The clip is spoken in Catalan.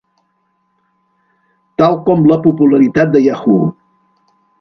Tal com la popularitat de Yahoo!